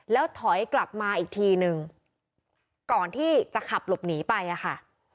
แล้วถอยกลับมาอีกทีนึงก่อนที่จะขับหลบหนีไปอะค่ะ